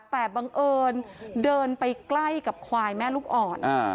แต่บังเอิญเดินไปใกล้กับควายแม่ลูกอ่อน